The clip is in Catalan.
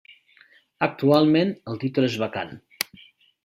Actualment el títol és vacant.